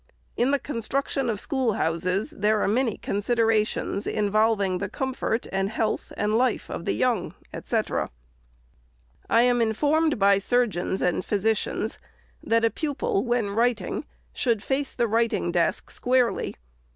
In the construction of schoolhouses, there are many considerations, involving the comfort, and health, and life, of the young," &c. I am informed by surgeons and physicians, that a pupil, when writing, should face the writing desk squarely.